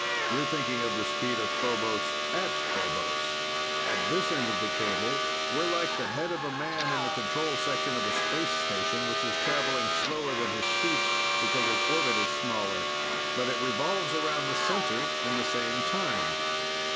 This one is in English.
You're thinking of the speed of Phobos, at Phobos. At this end of the cable, we're like the head of a man in the control section of a space station, which is traveling slower than his feet because its orbit is smaller but it revolves around the center in the same time.